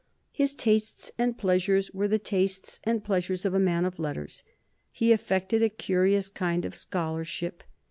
His tastes and pleasures were the tastes and pleasures of a man of letters. He affected a curious kind of scholarship.